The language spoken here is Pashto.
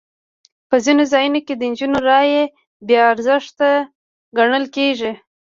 په ځینو ځایونو کې د نجونو رایه بې ارزښته ګڼل کېږي.